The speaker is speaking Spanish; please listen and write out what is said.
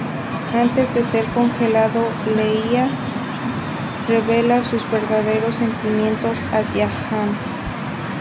Antes de ser congelado, Leia revela sus verdaderos sentimientos hacia Han.